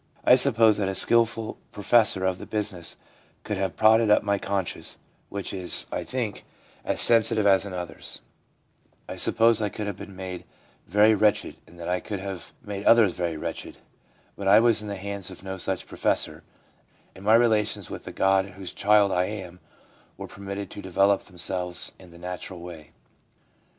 I suppose that a skilful professor of the busi ness could have prodded up my conscience, which is, I think, as sensitive as another's. I suppose I could have 3 o6 THE PSYCHOLOGY OF RELIGION been made very wretched, and that I could have made others very wretched. But I was in the hands of no such professor, and my relations with the God whose child I am were permitted to develop themselves in the natural way.